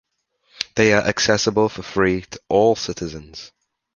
They are accessible for free to all citizens.